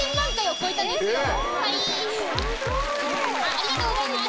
ありがとうございます。